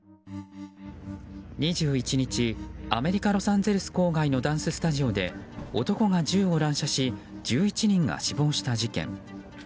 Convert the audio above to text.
２１日アメリカ・ロサンゼルス郊外のダンススタジオで男が銃を乱射し１１人が死亡した事件。